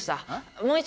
もう一度。